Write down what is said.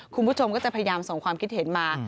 คุณผู้ชมก็จะพยายามส่งความคิดเห็นมา